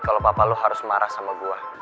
kalau papa lo harus marah sama gue